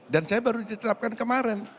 dan saya baru ditetapkan kemarin